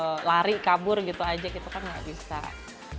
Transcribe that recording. masa lari kabur gitu aja gitu kan gak bisa lah